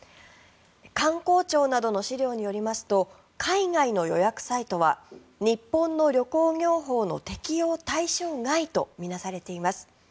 観光庁などの資料によりますと海外の予約サイトは日本の旅行業法の適用対象外と見なされています。